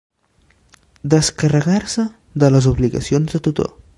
Descarregar-se de les obligacions de tutor.